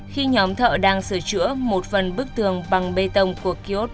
khi nhóm thợ đang sửa chữa một phần bức tường bằng bê tông của kiosk